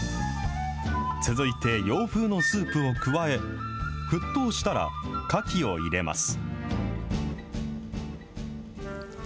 続いて洋風のスープを加え、沸騰したらかきを入れます。